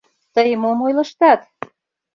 Тый мом ойлыштат?